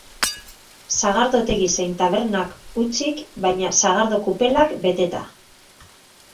Sagardotegi zein tabernak hutsik, baina sagardo kupelak beteta.